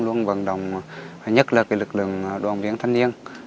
luôn vận động nhất là lực lượng đoàn viên thanh niên